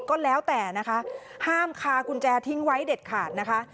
ก็แล้วแต่นะคะห้ามคากุญแจทิ้งไว้เด็ดขาดนะคะ